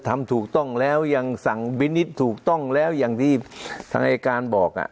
ทำถูกต้องแล้วยังสั่งวินิตถูกต้องแล้วอย่างที่ทนายการบอก